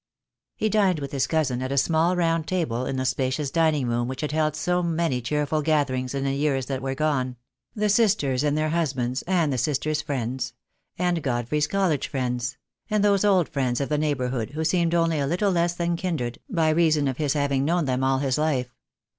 He dined with his cousin at a small round table in the spacious dining room which had held so many cheer ful gatherings in the years that were gone: the sisters and their husbands, and the sisters' friends; and God frey's college friends; and those old friends of the neigh bourhood who seemed only a little less than kindred, by reason of his having known them all his life.